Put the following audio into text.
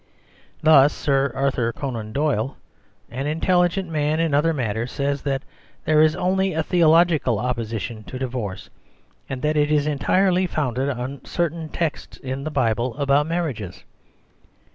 Thus, Sir Arthur Conan Doyle, an intelli gent man in other matters, says that there is only a "theological" opposition to divorce, and that it is entirely founded on "certain texts" in the Bible about marriages.